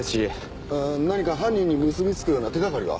何か犯人に結びつくような手掛かりは？